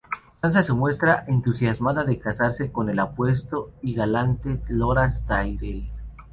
Sansa se muestra entusiasmada de casarse con el apuesto y galante Loras Tyrell.